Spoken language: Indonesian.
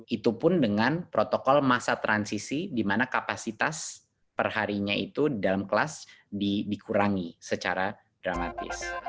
itu pun dengan protokol masa transisi di mana kapasitas perharinya itu dalam kelas dikurangi secara dramatis